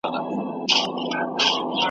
چي قبر ته راځې زما به پر شناخته وي لیکلي .